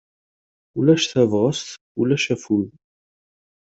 Ulac tabɣest, ulac afud.